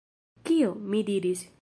Kio? mi diris.